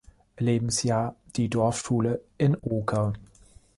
Lebensjahr die Dorfschule in Oker.